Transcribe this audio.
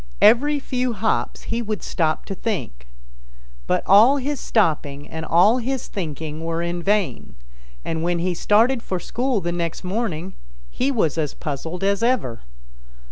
Every few hops he would stop to think, but all his stopping and all his thinking were in vain, and when he started for school the next morning he was as puzzled as ever.